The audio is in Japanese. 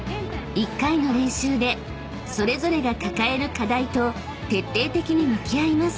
１回の練習でそれぞれが抱える課題と徹底的に向き合います］